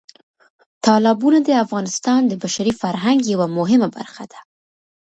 تالابونه د افغانستان د بشري فرهنګ یوه مهمه برخه ده.